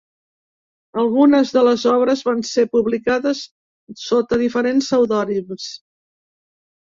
Algunes de les obres van ser publicades sota diferents pseudònims.